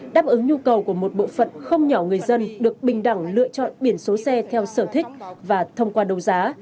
đáp ứng nhu cầu của một bộ phận không nhỏ người dân được bình đẳng lựa chọn biển số xe theo sở thích và thông qua đấu giá